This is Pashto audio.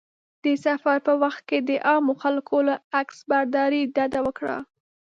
د سفر په وخت کې د عامو خلکو له عکسبرداري ډډه وکړه.